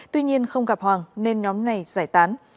tuy nhiên không gặp hoàng nên nhóm này giải tán